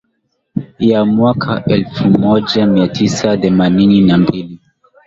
ya Mwaka elfu moja mia tisa themanini na mbili